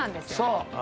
そう。